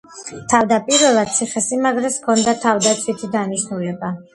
თავდაპირველად ციხესიმაგრეს ჰქონდა თავდაცვითი დანიშნულება.